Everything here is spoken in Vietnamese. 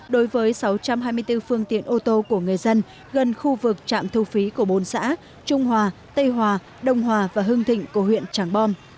đối với sáu trăm hai mươi bốn phương tiện ô tô của người dân gần khu vực trạm thu phí của bốn xã trung hòa tây hòa đông hòa và hưng thịnh của huyện tràng bom